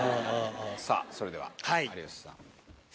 さあそれでは有吉さん。